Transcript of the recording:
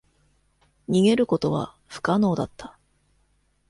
逃げることは不可能だった。